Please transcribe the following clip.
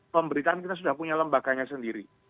pemberitaan kita sudah punya lembaganya sendiri